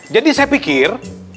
jadi saya pikir